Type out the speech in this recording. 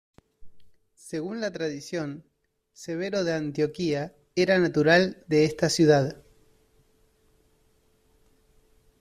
Según la tradición, Severo de Antioquía era natural de esta ciudad.